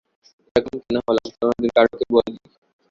এরকম কেন হলাম কোনোদিন কারুকে বলিনি।